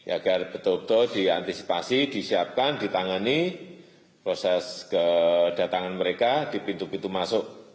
agar betul betul diantisipasi disiapkan ditangani proses kedatangan mereka di pintu pintu masuk